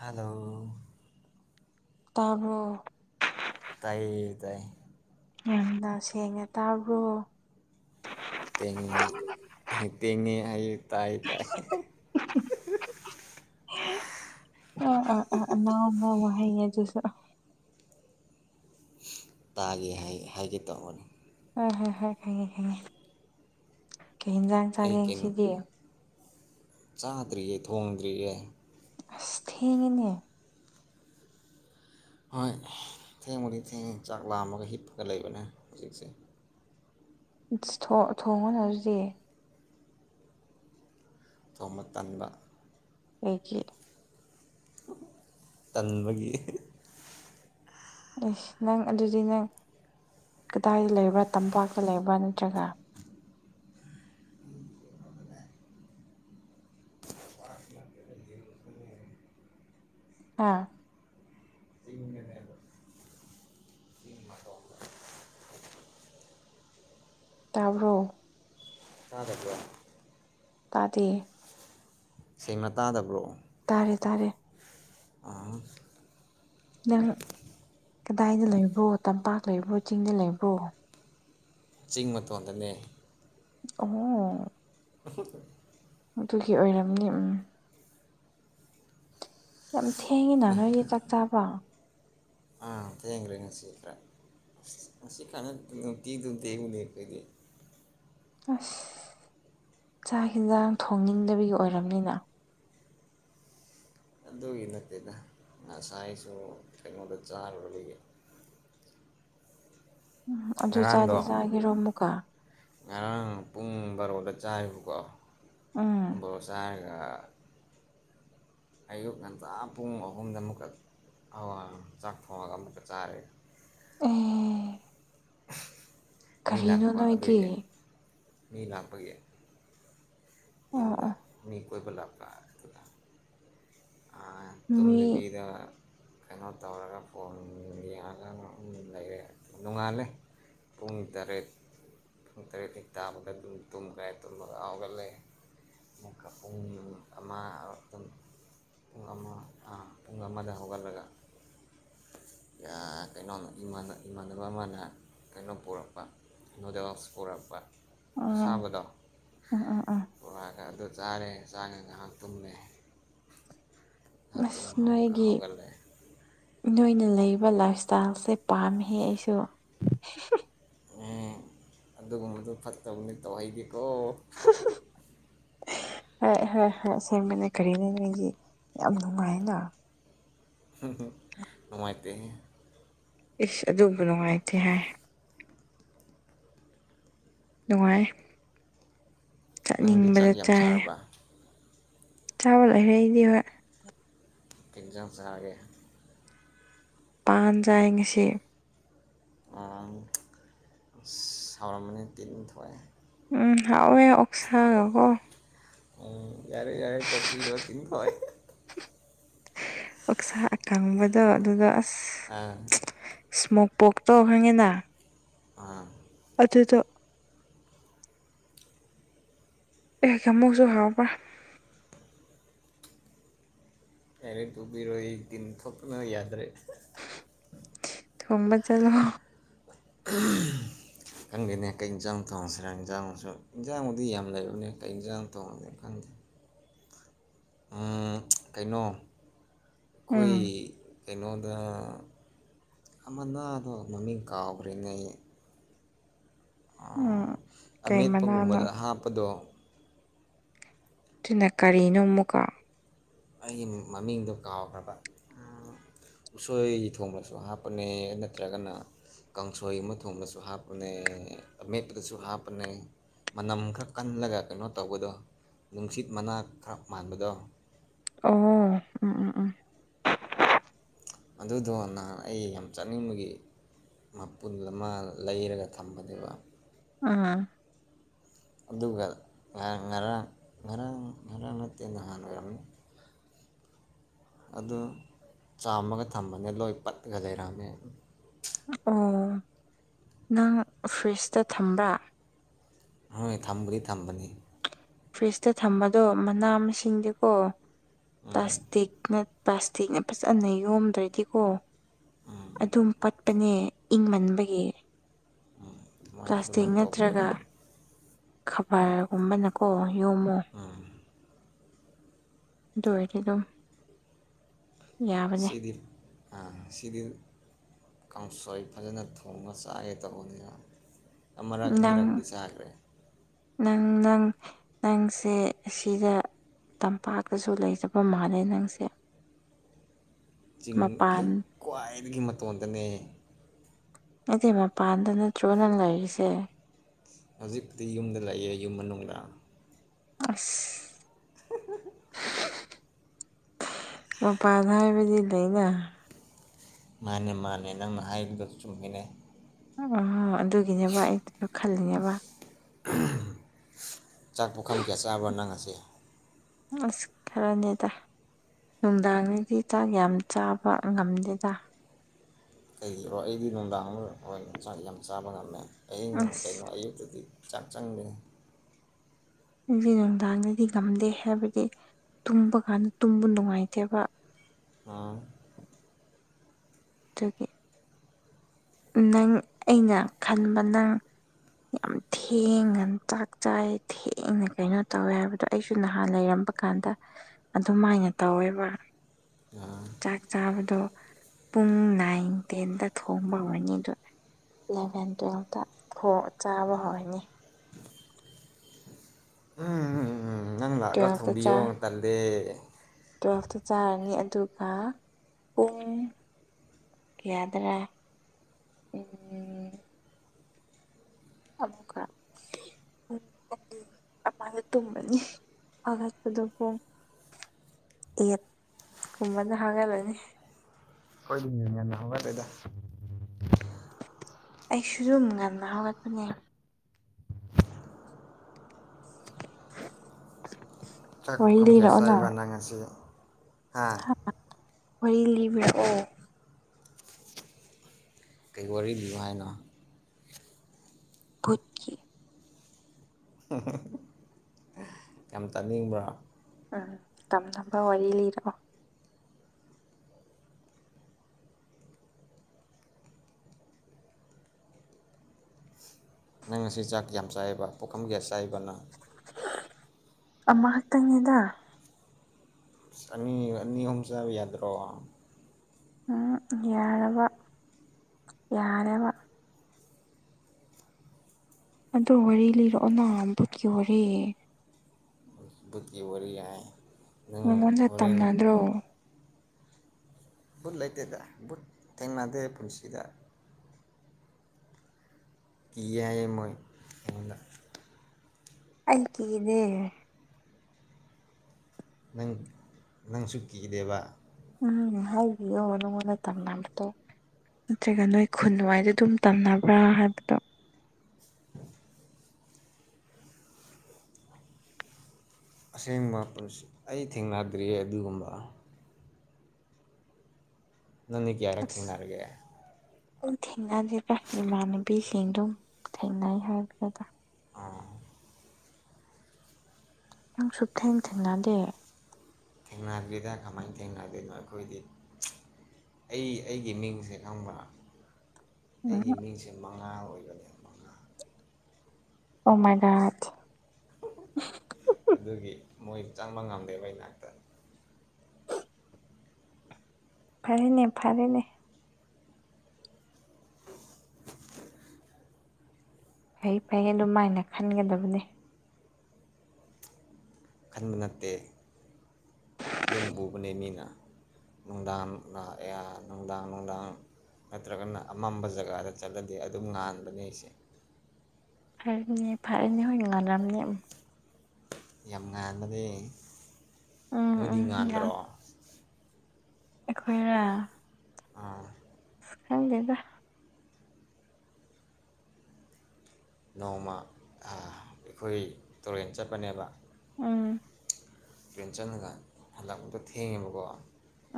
Hello ꯇꯥꯕꯔꯣ ꯇꯥꯏꯌꯦ ꯇꯥꯏꯌꯦ ꯌꯥꯝꯅ ꯁꯦꯡꯅ ꯇꯥꯕ꯭ꯔꯣ ꯇꯦꯡꯉꯉꯤ ꯇꯦꯡꯉꯦ ꯑꯩ ꯇꯥꯏ ꯇꯥꯏ [inaudible] ꯑꯥ ꯑꯥ ꯑꯥ ꯃꯥ ꯋꯥꯍ ꯆꯁꯨ ꯇꯥꯒꯦ ꯍꯥꯏꯒꯦ ꯇꯧꯕꯥꯅꯦ ꯍꯣꯏ ꯍꯣꯏ ꯍꯣꯏ ꯈꯪꯉꯦ ꯈꯪꯉꯦ ꯀꯩꯌꯦꯟꯁꯥꯡ ꯑꯩ ꯀꯩꯅꯣ ꯆꯥꯡꯒꯦꯉꯁꯤꯗꯤ ꯆꯥꯗ꯭ꯔꯤꯌꯦ ꯊꯣꯡꯗ꯭ꯔꯤꯌꯦ ꯑꯁ ꯊꯦꯡꯉꯤꯅꯦ ꯍꯣꯏ ꯊꯦꯡꯕꯨꯗꯤ ꯊꯦꯡꯉꯦ ꯆꯥꯛ ꯂꯥꯝꯃꯒ ꯍꯤꯞꯄꯒ ꯂꯩꯕꯅꯦ ꯍꯧꯖꯤꯛꯁꯦ ꯊꯣꯡꯉꯣꯅꯔꯗꯤ ꯊꯣꯡꯕ ꯇꯟꯕ ꯑꯩꯒꯤ ꯇꯟꯕꯒꯤ ꯅꯪ ꯑꯗꯨꯗꯤ ꯅꯪ ꯀꯗꯥꯏꯗ ꯂꯩꯕ꯭ꯔꯥ ꯇꯝꯄꯥꯛꯇ ꯂꯩꯕ꯭ꯔꯥ ꯅꯠꯇ꯭ꯔꯒ ꯑꯥ [inaudible] [unintelligible] ꯇꯥꯕꯔꯣ ꯇꯥꯗꯕꯔꯣ꯫ ꯇꯥꯗꯦ ꯁꯦꯡꯅ ꯇꯥꯗꯕ꯭ꯔꯣ ꯇꯥꯔꯦ ꯇꯥꯔꯦ ꯎꯝ ꯅꯪ ꯀꯗꯥꯏꯗ ꯂꯩꯕꯣ ꯇꯝꯄꯥꯛ ꯂꯩꯕꯣ ꯆꯤꯡꯗ ꯂꯩꯕꯣ ꯆꯤꯡ ꯃꯇꯣꯟꯗꯅꯦ ꯑꯣ [unintelligible] ꯑꯗꯨꯒꯤ ꯑꯣꯏꯔꯝꯅꯤ ꯎꯝ ꯌꯥꯝ ꯊꯦꯡꯉꯤꯅ ꯅꯣꯏꯗꯤ ꯆꯥꯛ ꯆꯥꯕ ꯊꯦꯡꯒꯔꯦ ꯉꯪꯁꯤ ꯈ ꯈꯁꯤ ꯈꯅ ꯇꯗꯤ ꯇꯨꯗ ꯎꯗ ꯐꯣꯏꯗꯦ ꯑꯁ ꯆꯥꯛ ꯌꯦꯟꯁꯥꯡ ꯊꯣꯡꯅꯤꯡꯗꯕꯤꯒꯤ ꯑꯣꯏꯔꯝꯅꯤꯅ ꯑꯗꯨꯒꯤ ꯅꯠꯇꯗ ꯁꯥꯏꯁꯨ ꯀꯩꯅꯣꯗ ꯆꯥꯔꯨꯔꯦ ꯎꯝ ꯑꯗꯨ ꯆꯥꯗꯤ ꯉꯔꯥꯡꯗꯣ ꯆꯥꯒꯔꯣ ꯃꯨꯛꯀ ꯉꯔꯥꯡ ꯄꯨꯡ ꯕꯥꯔꯣꯗ ꯆꯥꯏꯕꯀꯣ ꯑꯥ ꯅꯥꯏꯒ ꯑꯌꯨꯛ ꯉꯟꯇꯥ ꯄꯨꯡ ꯑꯍꯨꯝꯗ ꯑꯃꯨꯛꯀ ꯆꯥꯛ ꯊꯣꯡꯉꯒ ꯑꯃꯨꯛꯀ ꯆꯥꯔꯦ ꯎꯝ ꯃꯤ ꯂꯥꯛꯄ ꯅꯣꯏꯗꯤ ꯑꯗꯨꯒꯤ ꯃꯤ ꯂꯥꯛꯄꯒꯤ ꯑꯣ ꯌꯨꯝꯗ ꯑꯣ ꯃꯤ ꯀꯣꯏꯕ ꯂ ꯄ ꯃꯤ ꯇꯨꯝꯗꯕꯤꯗ ꯀꯩꯅꯣ ꯇꯧꯔꯒ ꯐꯣꯟ ꯌꯦꯡꯉꯒ ꯂꯩꯔꯦ ꯅꯣꯡꯉꯥꯜꯂꯦ ꯄꯨꯡ ꯇꯔꯦꯠ ꯨꯡ ꯇꯔꯦ ꯊ ꯇꯥꯕꯗ ꯇꯨꯝꯒ꯭ꯔꯥꯏ ꯇꯨꯝ ꯂꯒꯕꯒꯦ ꯑꯃꯨꯛꯀ ꯄꯨꯡ ꯅꯨꯃꯤꯠ ꯑꯃ ꯑꯛꯇ ꯑꯣ ꯑꯃ ꯑꯣꯡꯒꯥ ꯑꯃ ꯍꯧꯒꯜꯂꯒ ꯀꯩꯅꯣꯝ ꯏꯃꯥꯟꯅꯕ ꯑꯃꯅ ꯀꯩꯅꯣꯝ ꯄꯨꯔꯛꯄ ꯅꯨꯗꯜꯁ ꯄꯣꯔꯛꯄ ꯎꯝ ꯑꯁꯥꯕꯗꯣ ꯎꯝ ꯎꯝ ꯎꯝ ꯕꯣꯔꯥꯒ ꯑꯗꯨ ꯆꯥꯔꯦ ꯆꯥꯔ ꯉꯥꯏꯍꯥꯛ ꯇꯨꯝꯃꯦ ꯉꯥꯏꯍꯥꯛ ꯇꯨꯝꯃꯒ ꯑꯃꯨꯛꯀ ꯅꯣꯏꯒꯤ ꯍꯧꯒꯠꯂꯦ ꯅꯣꯏꯅ ꯂꯩꯔꯤꯕ ꯂꯥꯏꯞ ꯏꯁꯇꯥꯏꯜꯁꯦ ꯄꯥꯝꯃꯤ ꯑꯩꯁꯨ ꯎ ꯑꯗꯨꯒꯨꯝꯕꯗꯣ ꯐꯠꯇꯕꯅꯤ ꯇꯧꯍꯩꯗꯦꯀꯣ ꯍ ꯍ ꯍꯣꯏ ꯍꯣꯏ ꯁꯦꯝꯕꯅꯦ ꯀꯔꯤꯅꯣ ꯅꯪꯒꯤ ꯌꯥꯝ ꯅꯨꯡꯉꯥꯏꯅ ꯅꯨꯉꯥꯏꯇꯦ ꯏꯁ ꯑꯗꯨꯕꯨ ꯅꯨꯡꯉꯥꯏꯇꯦ ꯍꯥꯏ ꯅꯨꯡꯉꯥꯏ ꯅꯪꯗꯤ ꯆꯥꯛ ꯆꯠꯅꯤꯡꯕꯗ ꯌꯥꯝ ꯆꯥꯏ ꯆꯥꯔꯕ ꯆꯥꯕ ꯂꯣꯏꯔꯦ ꯑꯩꯗꯤ ꯍꯣꯏ ꯀꯩ ꯏꯟꯖꯥꯡ ꯆꯥꯔꯒꯦ ꯄꯥꯟꯖꯥꯏ ꯉꯁꯤ ꯥꯎꯝ ꯍꯥꯎꯔꯝꯕꯅꯤ ꯇꯤꯟ ꯊꯣꯛꯑꯦ ꯎꯝ ꯍꯥꯎꯋꯦ ꯑꯣꯛꯁꯥꯒꯀꯣ ꯎꯝ ꯌꯥꯔꯦ ꯌꯥꯔꯦ ꯇꯧꯕꯄꯤꯔꯣ ꯇꯤꯟ ꯐꯣꯏ ꯑꯣꯛꯁꯥ ꯑꯀꯥꯡꯕꯗꯣ ꯑꯗꯨꯗ ꯑꯁ ꯑꯥ ꯏꯁꯃꯣꯛ ꯄꯣꯛ ꯇꯣ ꯈꯪꯉꯤꯅ ꯑ ꯑꯗꯨꯗ ꯑꯦꯌꯥꯃꯨꯁꯨ ꯍꯥꯎꯄꯔ ꯌꯥꯔꯦ ꯇꯣꯄꯤꯔꯣ ꯑꯩ ꯇꯤꯟ ꯊꯣꯛꯄꯅꯣ ꯌꯥꯗ꯭ꯔꯦ ꯊꯣꯡꯕ ꯆꯂꯣ ꯎꯝ ꯈꯪꯗꯦꯅꯦ ꯀꯩ ꯌꯦꯟꯁꯥꯡ ꯊꯣꯡꯁꯤꯔ ꯌꯦꯟꯖꯥꯡꯁꯨ ꯌꯦꯟꯖꯥꯡꯕꯨꯗꯤ ꯌꯥꯝ ꯂꯩꯕꯅꯦ ꯀꯩ ꯌꯦꯟꯁꯥꯡ ꯊꯣꯡꯅꯤ ꯈꯪꯗꯦ ꯀꯩꯅꯣ ꯑꯩꯈꯣꯏ ꯎꯝ ꯀꯩꯅꯣꯗ ꯑꯃꯅꯗꯣ ꯃꯃꯤꯡ ꯀꯥꯎꯈ꯭ꯔꯦꯅꯦ ꯑꯩ ꯎꯝ ꯀꯩ ꯃꯅꯥꯅꯣ ꯑꯃꯦꯠꯄꯒꯨꯝꯕꯗ ꯍꯥꯞꯄꯗꯣ ꯑꯗꯨꯅ ꯀꯔꯤꯅꯣ ꯑꯃꯨꯛꯀ ꯑꯩꯒꯤ ꯃꯃꯤꯡꯗꯨꯣ ꯀꯥꯎꯈ꯭ꯔꯕ ꯎꯁꯣꯏ ꯊꯣꯡꯕꯁꯨ ꯍꯥꯞꯄꯅꯦ ꯅꯠꯇ꯭ꯔꯒꯅ ꯀꯥꯡꯁꯣꯏ ꯑꯃ ꯊꯣꯡꯗꯁꯨ ꯍꯥꯞꯄꯅꯦ ꯑꯃꯦꯠꯄꯗꯁꯨ ꯍꯥꯞꯄꯅꯦ ꯃꯅꯝ ꯈꯔ ꯀꯜꯂꯒ ꯀꯩꯅꯣ ꯇꯧꯕꯗꯣ ꯅꯨꯡꯁꯤꯠ ꯃꯅꯥ ꯈꯔ ꯃꯥꯟꯕꯗꯣ ꯑꯣ ꯎꯝ ꯎꯝ ꯎꯝ ꯑꯗꯨꯗꯣ ꯅꯍꯥꯟ ꯑꯩ ꯌꯥꯝ ꯆꯠꯅꯤꯡꯕꯒꯤ ꯃꯄꯨꯟ ꯑꯃ ꯂꯩꯔꯒ ꯊꯝꯕꯅꯦꯕ ꯑ ꯑꯗꯨꯒ ꯉꯔꯥꯡ ꯉꯔꯥꯡ ꯉꯔꯥꯡ ꯉꯔꯥꯡ ꯅꯠꯇꯦ ꯅꯍꯥꯟ ꯑꯣꯏꯔꯝꯒꯅꯤ ꯑꯗꯨ ꯆꯥꯝꯃꯒ ꯊꯝꯕꯅꯦ ꯂꯣꯏ ꯄꯠꯂꯒ ꯂꯩꯔꯝꯃꯦ ꯑꯣ ꯅꯪ ꯐ꯭ꯔꯤꯖꯇ ꯊꯝꯕ꯭ꯔꯥ ꯍꯣꯏ ꯊꯝꯕꯗꯤ ꯊꯝꯕꯅꯤ ꯐ꯭ꯔꯤꯖꯇ ꯊꯝꯕꯗꯣ ꯃꯅꯥ ꯃꯁꯤꯡꯗꯤꯀꯣ ꯎꯝ ꯄ꯭ꯂꯥꯁꯇꯤꯛꯅ ꯄ꯭ꯂꯥꯁꯇꯤꯛꯅ ꯐꯖꯅ ꯌꯣꯝꯗ꯭ꯔꯗꯤꯀꯣ ꯑꯗꯨꯝ ꯄꯠꯄꯅꯦ ꯏꯪꯃꯟꯕꯒꯤ ꯎꯝ ꯑꯗꯨꯃꯥꯏ ꯄ꯭ꯂꯥꯁꯇꯤꯛ ꯑꯗꯨꯃꯥꯏꯅ ꯇꯧꯕꯒꯤ ꯅꯠꯇ꯭ꯔꯒ ꯑꯣꯏꯔꯝꯅꯤ ꯈꯕꯔꯒꯨꯝꯕꯅꯀꯣ ꯌꯣꯝꯃꯣ ꯑꯥ ꯗꯣꯏꯔꯗꯨꯝ ꯁꯤꯗꯤꯜ ꯑꯥ ꯁꯤꯗꯤꯜ ꯀꯥꯡꯁꯣꯏ ꯐꯖꯅ ꯊꯣꯡꯉ ꯆꯥꯒꯦ ꯇꯧꯕꯅꯤꯅ ꯑꯃꯔꯛ ꯅꯪ ꯑꯅꯤꯔꯛꯗꯤ ꯆꯥꯈ꯭ꯔꯦ ꯅꯪ ꯅꯪ ꯅꯪꯁꯦ ꯑꯁꯤꯗ ꯇꯝꯄꯥꯛꯇꯁꯨ ꯂꯩꯖꯕ ꯃꯥꯜꯂꯦ ꯅꯪꯁꯦ ꯆꯤꯡ ꯃꯄꯥꯟ ꯍꯦꯛ ꯈ꯭ꯋꯥꯏꯗꯒꯤ ꯃꯇꯣꯟꯗꯅꯦ ꯅꯗꯤ ꯃꯄꯥꯟꯗ ꯅꯠꯇ꯭ꯔꯣ ꯅꯪ ꯂꯩꯔꯤꯁꯦ ꯍꯧꯖꯤꯛꯄꯨꯗꯤ ꯌꯨꯝꯗ ꯂꯩꯑꯦ ꯌꯨꯝ ꯃꯅꯨꯡꯗ ꯑꯁ [inaudible] ꯃꯄꯥꯟ ꯍꯥꯏꯕꯗꯤ ꯂꯩꯅ ꯃꯥꯅꯦ ꯃꯥꯅꯦ ꯅꯪꯅ ꯍꯥꯏꯕꯗ ꯆꯨꯝꯃꯤꯅꯦ ꯑ ꯑꯗꯨꯒꯤꯅꯦꯕ ꯑꯩꯁꯨ ꯈꯜꯂꯤꯅꯦꯕ ꯆꯥꯛ ꯄꯨꯈꯝ ꯀꯌꯥ ꯆꯥꯕ ꯅꯪꯉꯁꯦ ꯑꯁ ꯈꯔꯅꯦꯗ ꯅꯨꯡꯗꯥꯡꯒꯤꯗꯤ ꯆꯥꯛ ꯌꯥꯝ ꯆꯥꯕ ꯉꯝꯗꯦꯗ ꯀꯩꯒꯤꯔꯣ ꯑꯩꯗꯤ ꯅꯨꯡꯗꯥꯡꯗ ꯌꯥꯝ ꯌꯦꯟꯁꯥꯡꯁꯤ ꯌꯥꯝ ꯆꯥꯕ ꯉꯝꯃꯦ ꯑꯤꯡ ꯑꯁ ꯀꯒꯤꯅꯣ ꯑꯌꯨꯛꯇꯗꯤ ꯆꯥꯛ ꯆꯪꯗꯦ ꯑꯩꯁ ꯅꯨꯡꯗꯥꯡꯗꯗꯤ ꯉꯝꯗꯦ ꯍꯥꯏꯕꯗꯤ ꯇꯨꯝꯕ ꯀꯥꯟꯗ ꯇꯨꯝꯕ ꯅꯨꯡꯉꯥꯏꯇꯦꯕ ꯑꯥ ꯗꯨꯒꯤ ꯅꯪ ꯑꯩꯅ ꯈꯟꯕ ꯅꯪ ꯌꯥꯝ ꯊꯦꯡꯅ ꯆꯥꯛ ꯆꯥꯏ ꯊꯦꯡꯅ ꯀꯩꯅꯣ ꯇꯧꯋꯦ ꯍꯥꯏꯕꯗꯣ ꯑꯩꯁꯨ ꯅꯍꯥꯟ ꯂꯩꯔꯝꯕ ꯀꯥꯟꯗ ꯑꯗꯨꯝꯥꯏꯅ ꯇꯧꯋꯦꯕ ꯌꯥ ꯆꯥꯛ ꯆꯥꯕꯗꯣ ꯄꯨꯡ ꯅꯥꯏꯟ ꯇꯦꯟꯗ ꯊꯣꯡꯕ ꯍꯧꯔꯅꯤ ꯑꯗ ꯏꯂꯚꯦꯟ ꯇꯨꯋꯦꯜꯐꯇ ꯆꯥꯕ ꯍꯧꯔꯅꯤ ꯎꯝꯝꯝ ꯅꯪ ꯂꯥꯛꯑꯒ ꯇꯨꯋꯦꯜꯐꯇ ꯆꯥ ꯊꯣꯝꯕꯤꯌꯣ ꯇꯜꯂꯦ ꯇꯨꯋꯦꯜꯐꯇ ꯆꯥꯔꯅꯤ ꯑꯗꯨꯒ ꯄꯨꯡ ꯀꯌꯥꯗ꯭ꯔꯥ ꯎꯝ [inaudible] [unintelligible] ꯑꯦꯠ ꯀꯨꯝꯕꯗ ꯍꯧꯒꯠꯂꯅꯤ ꯑꯩꯈꯣꯏꯗꯤ ꯉꯟ-ꯉꯟꯅꯥ ꯍꯧꯒꯠꯂꯦꯗꯥ ꯑꯩꯁꯨ ꯗꯨꯨꯝ ꯉꯟ ꯅ ꯍꯥꯎꯒꯠꯄꯅꯦ ꯆꯥꯛ ꯋꯥꯔꯤ ꯄꯨꯈꯝ ꯀꯌꯥ ꯂꯤꯔꯛꯑꯣꯅ ꯆꯥꯢꯕ ꯅꯪ ꯉꯁꯤ ꯍꯥ ꯋꯥꯔꯤ ꯂꯤꯕꯤꯔꯛꯑꯣ ꯀꯩ ꯋꯥꯔꯤ ꯂꯤꯌꯣ ꯍꯥꯏꯅꯣ ꯚꯨꯠꯀꯤ [unintelligible] ꯌꯥꯝ ꯇꯥꯅꯤꯡꯕ꯭ꯔꯥ ꯎꯝ ꯇꯝꯅꯕ ꯋꯥꯔꯤ ꯂꯤꯔꯛꯑꯣ ꯅꯪ ꯉꯁꯤ ꯆꯥꯛ ꯌꯥꯝ ꯆꯥꯏꯕ ꯄꯨꯈꯝ ꯀꯌꯥ ꯆꯥꯏꯕ ꯅꯪ ꯑꯃ ꯈꯛꯇꯪ ꯅꯤꯗ ꯑꯁ ꯑꯅꯤ ꯑꯅꯤ ꯑꯍꯨꯝ ꯆꯥꯕ ꯌꯥꯗ꯭ꯔꯣ ꯌꯥꯔꯕ ꯌꯥꯔꯦꯕ ꯑꯗꯨ ꯋꯥꯔꯤ ꯂꯤꯔꯛꯑꯣ ꯚꯨꯠꯀꯤ ꯋꯥꯔꯤ ꯕꯨꯀꯤ ꯋꯥꯔꯤ ꯍꯥꯏ ꯅꯪ ꯅꯉꯣꯟꯗ ꯍꯣꯔꯦꯟ ꯇꯝꯅꯗ꯭ꯔꯣ ꯨꯚꯨꯠ ꯂꯩꯇꯦꯗꯥ ꯚꯨꯠ ꯊꯦꯡꯅꯗꯦ ꯄꯨꯟꯁꯤꯗ ꯀꯤꯌꯦ ꯍꯥꯢꯌꯦ ꯃꯣꯢ ꯑꯩꯉꯣꯟꯗ ꯑꯩ ꯀꯤꯗꯦ ꯅꯪ ꯅꯪꯁꯨ ꯀꯤꯗꯦꯕ ꯎꯝ ꯍꯥꯢꯕꯤꯌꯣ ꯅꯉꯣꯟꯗ ꯇꯝꯅꯕꯗꯣ ꯅꯠꯇ꯭ꯔꯒ ꯅꯣꯏ ꯈꯨꯟꯋꯥꯏꯗ ꯑꯗꯨꯝ ꯇꯝꯅꯕ꯭ꯔꯥ ꯍꯥꯏꯕꯗꯣ [inaudible] ꯑꯁꯦꯡꯕ ꯄꯨꯟꯁꯤ ꯑꯩ ꯊꯦꯡꯅꯗ꯭ꯔꯤꯌꯦ ꯑꯗꯨꯒꯨꯝꯕ ꯅꯪꯅꯤ ꯀꯌꯥꯔꯛ ꯊꯦꯡꯅꯔꯒꯦ ꯑꯗꯨꯝ ꯊꯦꯡꯅꯗꯦꯗ ꯏꯃꯥꯟꯅꯕꯤꯁꯤꯡꯗꯨꯝ ꯊꯦꯡꯅꯩ ꯍꯥꯏꯕꯅꯤꯗ ꯑꯣ ꯅꯪ ꯁꯨꯛ ꯊꯦꯡ ꯊꯦꯡꯅꯗꯦ ꯊꯦꯡꯅꯗꯦꯗ ꯀꯃꯥꯏꯅ ꯊꯦꯡꯅꯗꯣꯏꯅꯣ ꯑꯩꯈꯣꯏꯗꯤ ꯑꯩ ꯑꯩꯒꯤ ꯃꯤꯡꯁꯦ ꯈꯪꯕ꯭ꯔꯥ ꯎꯝ ꯑꯩꯒꯤ ꯃꯤꯡꯁꯦ ꯃꯉꯥ ꯑꯣꯏꯕꯅꯦ ꯃꯉꯥ ꯑꯣꯃꯥꯏꯗꯗ ꯑꯗꯨꯒꯤ ꯃꯣꯏꯁꯨ ꯆꯪꯕ ꯉꯝꯗꯦ ꯃꯩ ꯅꯥꯛꯇꯅꯤ ꯐꯔꯦꯅꯦ ꯐꯔꯦꯅꯦ [inaudible] ꯑꯩ-ꯑꯩ ꯑꯗꯨꯃꯥꯏꯅ ꯈꯟꯒꯗꯕꯅꯤ ꯈꯟꯕ ꯅꯠꯇꯦ ꯑꯗꯨꯝ ꯎꯕꯅꯦ ꯃꯤꯅ ꯅꯨꯡꯗꯥꯥꯡ ꯅꯨꯡꯗꯥꯡ ꯅꯨꯡꯗꯥꯡ ꯅꯠꯇ꯭ꯔꯒꯅ ꯑꯃꯝꯕ ꯖꯒꯥꯗ ꯆꯠꯂꯗꯤ ꯑꯗꯨꯝ ꯉꯥꯟꯕꯅꯤ ꯑꯩꯁꯦ ꯐꯔꯦꯅꯦ-ꯐꯔꯦꯅꯦ ꯍꯣꯏ ꯉꯜꯂꯝꯅꯤ ꯌꯥꯝ ꯉꯥꯟꯕꯅꯦ ꯎꯝ ꯅꯣꯏꯗꯤ ꯎꯝ ꯌꯥꯝ ꯉꯥꯟꯗ꯭ꯔꯣ ꯑꯩꯈꯣꯏꯔ ꯑꯥ ꯈꯪꯗꯦꯗ ꯅꯣꯡꯃ ꯑ ꯑꯩꯈꯣꯏ ꯇꯨꯔꯦꯟ ꯆꯠꯄꯅꯦꯕ ꯎꯝ ꯇꯨꯔꯦꯟ ꯆꯟꯅꯒ ꯍꯜꯂꯛꯄꯗꯣ ꯊꯦꯡꯉꯦꯕꯀꯣ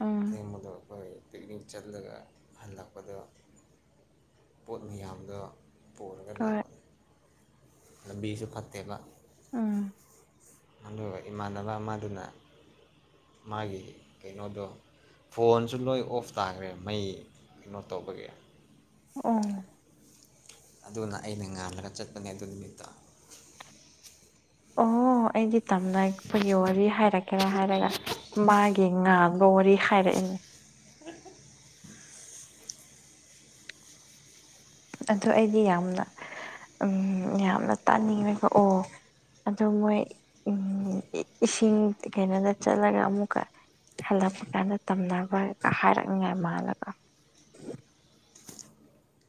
ꯎꯝ ꯊꯦꯡꯕꯗꯣ ꯑꯩꯈꯣꯏ ꯄꯤꯛꯅꯤꯛ ꯆꯠꯂꯒ ꯍꯥꯟꯅꯄꯗ ꯄꯣꯠ ꯃꯌꯥꯝꯗ ꯄꯨꯔꯒ ꯍꯣꯏ ꯂꯥꯛꯄꯅꯤ ꯂꯝꯕꯤꯁꯨ ꯐꯠꯇꯦꯕ ꯑꯥ ꯑꯗꯨꯒ ꯏꯃꯥꯟꯅꯕ ꯑꯃꯗꯨꯅ ꯃꯥꯒꯤ ꯀꯩꯅꯣꯗ ꯐꯣꯟꯁꯨ ꯂꯣꯏ ꯑꯣꯐ ꯇꯥꯈ꯭ꯔꯦ ꯃꯩ ꯀꯩꯅꯣ ꯇꯧꯕꯒꯤ ꯎ ꯑꯗꯨꯅ ꯑꯩꯅ ꯉꯥꯜꯂꯒ ꯆꯠꯄꯅꯦ ꯑꯗꯨ ꯅꯨꯃꯤꯠꯇ ꯑꯣ ꯑꯩꯗꯤ ꯇꯝꯅꯄꯒꯤ ꯋꯥꯔꯤ ꯍꯥꯏꯔꯛꯀꯦꯔꯥ ꯍꯥꯏꯔꯒ ꯃꯥꯒꯤ ꯉꯥꯡꯕ ꯋꯥꯔꯤ ꯍꯥꯏꯔꯛꯏꯅꯦ ꯑꯗꯨꯗ ꯑꯩꯗꯤ ꯌꯥꯝꯅ ꯌꯥꯝꯅ ꯇꯥꯅꯤꯡꯉꯦꯕ ꯑꯣ ꯑꯗ ꯃꯣꯏ ꯎ ꯏꯁꯤꯡ ꯀꯩꯅꯣꯗ ꯆꯠꯂꯒ ꯑꯃꯨꯛꯀ ꯍꯜꯂꯛꯄ ꯀꯅ ꯇꯝꯅꯔꯣꯏꯒ ꯍꯥꯏꯔꯛꯅꯤꯉꯥꯏ ꯃꯥꯜꯂꯒ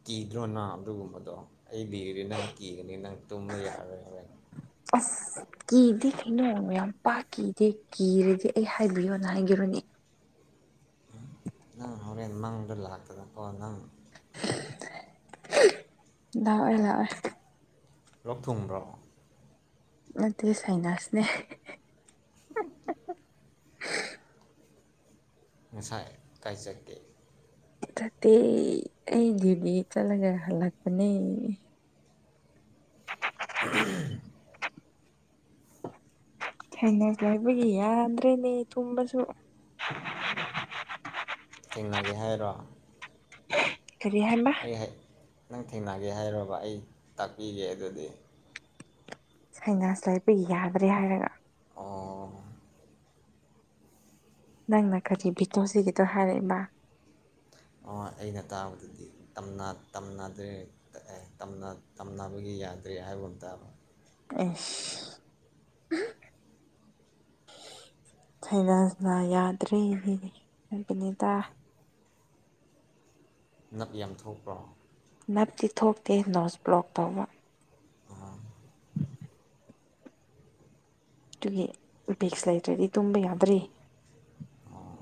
ꯀꯤꯗ꯭ꯔꯣꯅ ꯑꯗꯨꯒꯨꯝꯕꯗꯣ ꯑꯩ ꯂꯤꯔꯤ ꯅꯪ ꯀꯤꯒꯅꯤ ꯅꯪ ꯇꯨꯝꯕ ꯌꯥꯔꯣꯏ ꯌꯥꯔꯣꯏ ꯑꯁ ꯀꯤꯗꯦ ꯀꯩꯅꯣ ꯃ ꯌꯥꯝ ꯄꯥꯛ ꯀꯤꯗꯦ ꯀꯤꯔꯗꯤ ꯑꯩ ꯍꯥꯏꯕꯤꯌꯣꯅ ꯍꯥꯏꯒꯔꯨꯅꯦ ꯅꯪꯔꯦꯟ ꯃꯥꯡꯗ ꯂꯥꯛꯀꯗ ꯀꯣ ꯅꯪ ꯂꯥꯛꯑꯣꯏ ꯂꯥꯛꯑꯣꯏ ꯂꯣꯛ ꯊꯨꯡꯕ꯭ꯔꯣ ꯅꯠꯇꯦ ꯁꯥꯏꯅꯁꯅꯦ [unintelligible] [inaudible] ꯉꯁꯥꯏ ꯀꯥꯏꯖꯒꯦ ꯇꯠꯇꯦ ꯑꯩꯒꯤꯗꯤ ꯆꯠꯂꯒ ꯍꯜꯂꯛꯄꯅꯦ ꯊꯩꯅ ꯂꯩ ꯍꯥꯏꯕꯒꯤ ꯌꯥꯗ꯭ꯔꯦꯅꯦ ꯇꯨꯝꯕꯁꯨ ꯊꯦꯡꯅꯒꯦ ꯍꯥꯏꯔꯣ ꯀꯥꯔꯤ ꯍꯥꯏꯕ ꯑꯩ ꯅꯪ ꯊꯦꯡꯅꯒꯦ ꯍꯥꯏꯔꯕ ꯑꯩ ꯇꯥꯛꯄꯤꯒꯦ ꯑꯗꯨꯗꯤ ꯁꯩꯅꯥꯁ ꯂꯩꯕꯒꯤꯅꯦ ꯍꯥꯏꯔꯒ ꯑꯣ ꯅꯪꯅ ꯀꯔꯤ ꯚꯤꯗꯤꯑꯣꯁꯤꯒꯤꯗꯣ ꯍꯥꯏꯔꯛꯏꯃꯥ ꯑꯣ ꯑꯩꯅ ꯇꯥꯕꯗꯗꯤ ꯇꯝꯅ ꯑꯗꯨ ꯑꯦ ꯇꯝꯅꯕꯒꯤ ꯌꯥꯗ꯭ꯔꯦ ꯍꯥꯏꯕ ꯑꯃꯇꯕ ꯑꯦꯁ ꯁꯅꯅ ꯌꯥꯗ꯭ꯔꯤ ꯍꯥꯏꯕꯅꯤꯗ ꯅꯞ ꯌꯥꯝ ꯊꯣꯛꯄ꯭ꯔꯣ ꯅꯞꯇꯤ ꯊꯣꯛꯇꯦ ꯅꯣꯁ ꯕ꯭ꯂꯣꯛ ꯇꯧꯕ ꯑ ꯑꯗꯨꯒꯤ ꯎꯄꯦꯛꯁ ꯂꯩꯇ꯭ꯔꯗꯤ ꯇꯨꯝꯕ ꯌꯥꯗ꯭ꯔꯤ ꯑꯣ